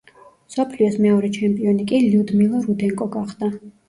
მსოფლიოს მეორე ჩემპიონი კი ლიუდმილა რუდენკო გახდა.